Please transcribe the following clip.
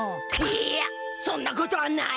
いやそんなことはない！